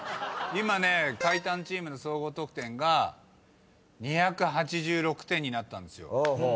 今ねタイタンチームの総合得点が２８６点になったんですよ。